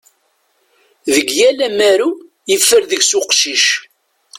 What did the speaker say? Deg yal amaru, yeffer deg-s uqcic.